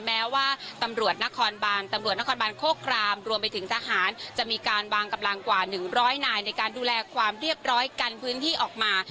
แม้ว่าตำรวจนครบานตำรวจนครบานโคครามรวมไปถึงทหารจะมีการวางกำลังกว่า๑๐๐นายในการดูแลความเรียบร้อยกันพื้นที่ออกมา